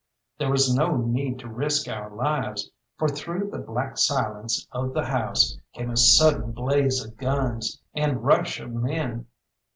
There was no need to risk our lives, for through the black silence of the house came a sudden blaze of guns and rush of men.